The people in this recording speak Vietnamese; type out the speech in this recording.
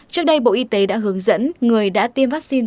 trước đây bộ y tế đã hướng dẫn người đã tiêm vaccine